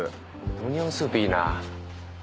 オニオンスープいいな。